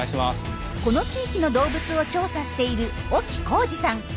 この地域の動物を調査している沖浩志さん。